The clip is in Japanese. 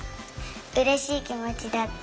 うれしいきもちだった。